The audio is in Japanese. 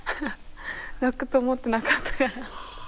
泣くと思ってなかったから。